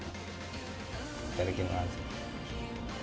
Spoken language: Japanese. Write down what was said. いただきます。